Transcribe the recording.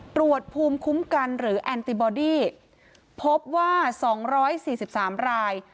ตรวจภูมิคุ้มกันหรือแอนติบอดี้พบว่า๒๔๓ราย